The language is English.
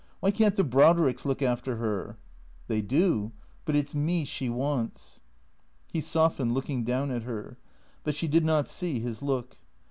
Why can't the Brodricks look after her ?"" They do. But it 's me she wants." He softened, looking down at her. But she did not see his look.